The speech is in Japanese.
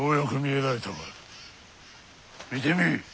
見てみい。